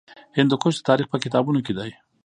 هندوکش د تاریخ په کتابونو کې دی.